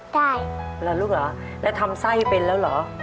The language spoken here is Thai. ใช่เหรอลูกเหรอแล้วทำไส้เป็นแล้วเหรอ